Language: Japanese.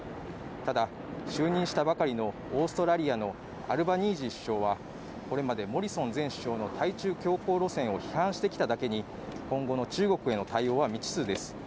ただ、就任したばかりのオーストラリアのアルバニージー首相は、これまでモリソン前首相の対中強硬路線を批判してきただけに、今後の中国への対応は未知数です。